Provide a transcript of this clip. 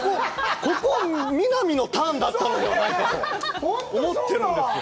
ここ南のターンだったのではないかと思ってるんですよ